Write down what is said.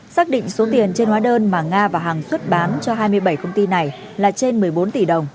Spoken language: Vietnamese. xác định số tiền trên hóa đơn mà nga và hằng xuất bán cho hai mươi bảy công ty này là trên một mươi bốn tỷ đồng